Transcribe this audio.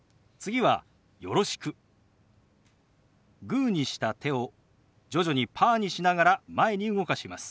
グーにした手を徐々にパーにしながら前に動かします。